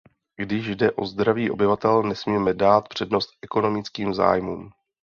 Když jde o zdraví obyvatel, nesmíme dát přednost ekonomickým zájmům.